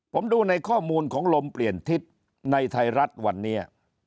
ผมดูในข้อมูลของลมเปลี่ยนทิศในไทยรัฐวันนี้